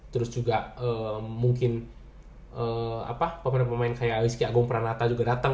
terus juga mungkin pemain pemain kayak rizky agung pranata juga datang